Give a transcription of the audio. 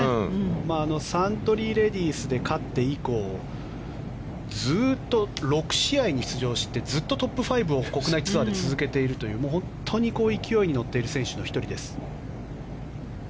サントリーレディスで勝って以降６試合に出場してずっとトップ５を国内ツアーで続けているという勢いに乗っている選手の１人。